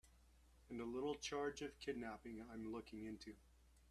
And a little charge of kidnapping I'm looking into.